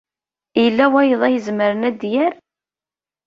Yella wayeḍ ay izemren ad d-yerr?